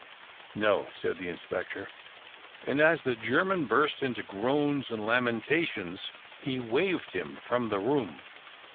"No," said the inspector, and as the German burst out into groans and lamentations, he waved him from the room.